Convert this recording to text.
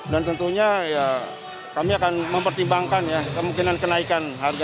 dan tentunya ya kami akan mempertimbangkan ya kemungkinan kenaikan harga